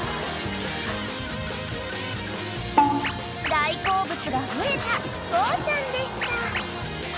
［大好物が増えたゴーちゃんでした］